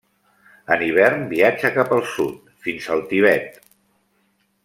En hivern viatja cap al sud, fins al Tibet.